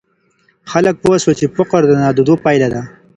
خلګ پوه سول چي فقر د نادودو پایله ده.